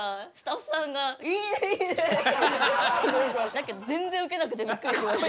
だけど全然ウケなくてびっくりしました。